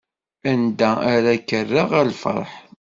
Anda ara k-rreɣ a lferḥ?